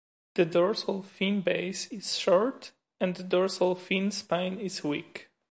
The dorsal fin base is short and the dorsal fin spine is weak.